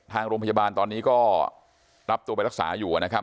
ทางโรงพยาบาลตอนนี้ก็รับตัวไปรักษาอยู่นะครับ